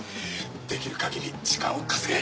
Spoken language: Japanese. できる限り時間を稼げ。